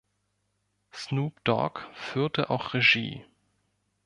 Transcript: Snoop Dogg führte auch Regie.